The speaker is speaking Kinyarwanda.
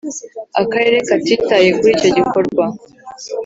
akarere katitaye kuri icyo gikorwa ?